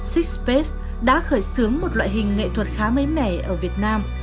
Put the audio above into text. six space đã khởi xướng một loại hình nghệ thuật khá mấy mẻ ở việt nam